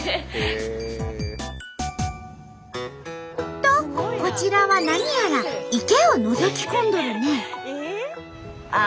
とこちらは何やら池をのぞき込んどるね。